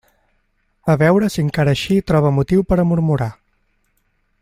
A veure si encara així troba motiu per a murmurar.